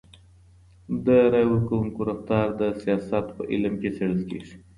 د رایي ورکوونکو رفتار د سیاست په علم کي څېړل کیږي.